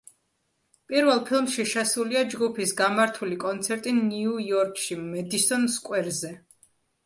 პირველ ფილმში შესულია ჯგუფის გამართული კონცერტი ნიუ-იორკში, მედისონ სკვერზე.